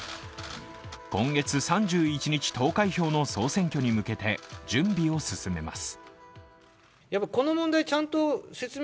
今月３１日投開票の総選挙に向けて準備を進めまます。